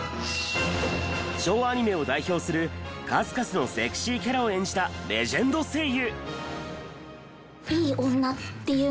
昭和アニメを代表する数々のセクシーキャラを演じたレジェンド声優。